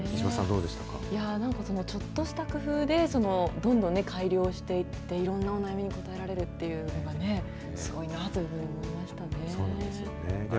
なんか、ちょっとした工夫でどんどん改良していって、いろんなお悩みに応えられるっていうのはね、すごいなというふうに思いましたね。